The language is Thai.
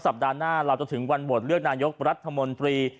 สัปดาห์หน้าเราจะถึงวันบทเลือกนายกรัฐมนตรี